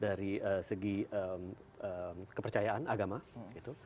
dari segi kepercayaan agama gitu